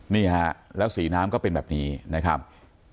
นี่ฮะแล้วสีน้ำก็เป็นแบบนี้นะครับ